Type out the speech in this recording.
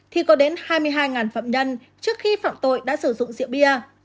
thì có đến hai mươi hai phạm nhân trước khi phạm tội đã sử dụng rượu bia